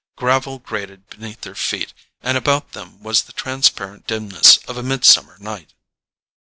Gravel grated beneath their feet, and about them was the transparent dimness of a midsummer night.